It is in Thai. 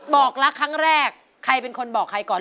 บอกรักครั้งแรกใครเป็นคนบอกใครก่อน